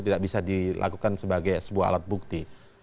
tidak bisa dilakukan sebagai sebuah alat bukti